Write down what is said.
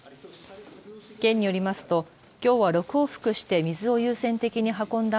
県によりますときょうは６往復して水を優先的に運んだ